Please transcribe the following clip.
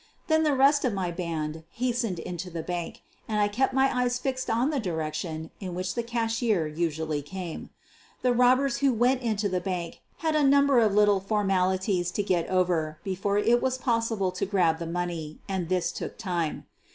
Then 182 SOPHIE LYONS the rest of my band hastened into the bank, and I kept my eyes fixed on the direction in which the cashier usually came. The robbers who went into the bank had a number of little formalities to get over before it was possible to grab the money, and this took time.